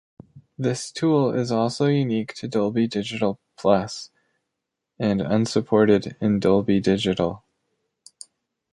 This tool is also unique to Dolby Digital Plus, and unsupported in Dolby Digital.